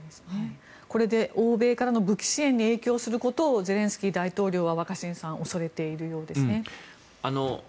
これで欧米からの武器支援に影響することをゼレンスキー大統領は若新さん恐れているようですね。